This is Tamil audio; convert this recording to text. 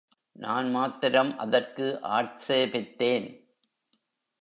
நான் மாத்திரம் அதற்கு ஆட்சேபித்தேன்.